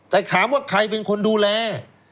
แต่ถามว่าใครเป็นคนดูแล